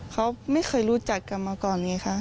เขาไม่เคยรู้จักกันมาก่อนไงคะ